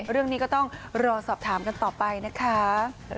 เรื่องนี้ก็ต้องรอสอบถามกันต่อไปนะคะ